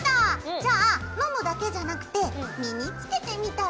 じゃあ飲むだけじゃなくて身につけてみたら？